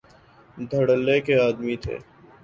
دھڑلے کے آدمی تھے۔